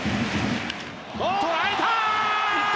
捉えた！